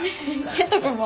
健人君も？